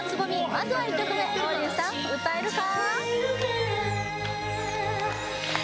まずは１曲目王林さん歌えるか？